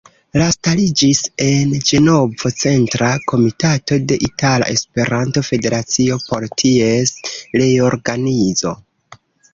La stariĝis en Ĝenovo Centra Komitato de Itala Esperanto-Federacio por ties reorganizo.